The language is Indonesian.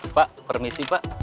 pak permisi pak